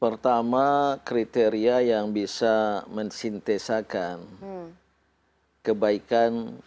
pertama kriteria yang bisa mensintesakan kebaikan